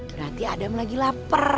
berarti adam lagi lapar